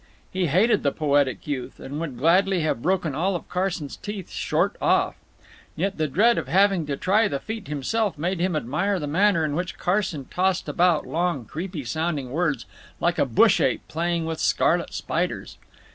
He hated the poetic youth, and would gladly have broken all of Carson's teeth short off. Yet the dread of having to try the feat himself made him admire the manner in which Carson tossed about long creepy sounding words, like a bush ape playing with scarlet spiders.